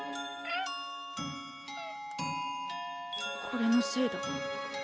これのせいだ。